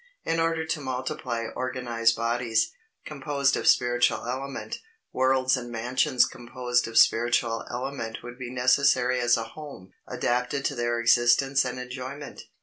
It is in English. In order to multiply organized bodies, composed of spiritual element, worlds and mansions composed of spiritual element would be necessary as a home, adapted to their existence and enjoyment.